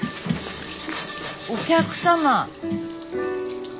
お客様。